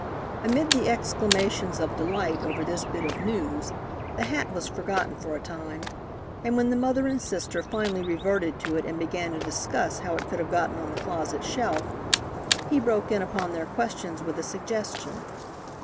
Amid the exclamations of delight over this bit of news, the hat was forgotten for a time, and when the mother and sister finally reverted to it and began to discuss how it could have gotten on the closet shelf, he broke in upon their questions with a suggestion.